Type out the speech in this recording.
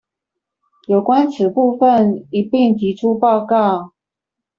有關此部分一併提出報告